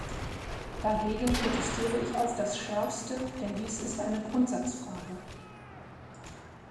Dagegen protestiere ich auf das schärfste, denn dies ist eine Grundsatzfrage.